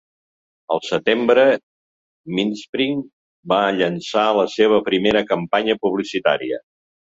Al setembre, MindSpring va llançar la seva primera campanya publicitària.